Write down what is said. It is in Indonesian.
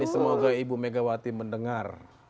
semoga ibu megawati mendengar